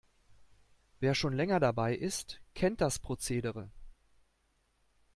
Wer schon länger dabei ist, kennt das Prozedere.